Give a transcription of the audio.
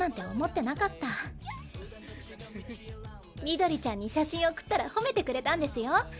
ミドリちゃんに写真送ったら褒めてくれたんですよ。